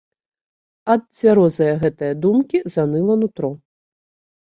Ад цвярозае гэтае думкі заныла нутро.